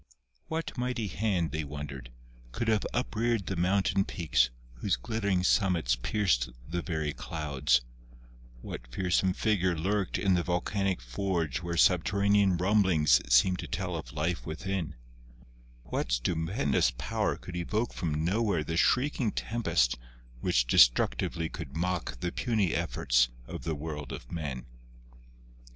What mighty hand, they wondered, could have upreared the mountain peaks whose glittering sum mits pierced the very clouds; what fearsome figure lurked in the volcanic forge where subterranean rumblings seemed to tell of life within ; what stupendous power could evoke from nowhere the shrieking tempest which destruc tively could mock the puny efforts of the world of men?